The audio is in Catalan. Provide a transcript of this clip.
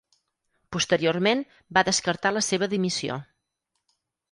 Posteriorment, va descartar la seva dimissió.